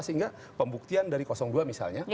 sehingga pembuktian dari kondisi yang terjadi di dalamnya